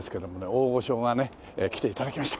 大御所がね来て頂きました。